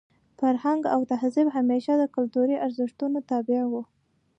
فرهنګ او تهذیب همېشه د کلتوري ارزښتونو تابع وو.